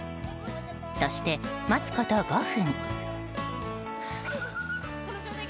そして待つこと５分。